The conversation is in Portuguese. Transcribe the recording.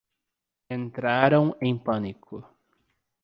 Entraram em pânico